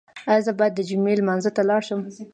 ایا زه باید د جمعې لمانځه ته لاړ شم؟